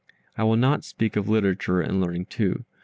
I will not speak of literature and learning too.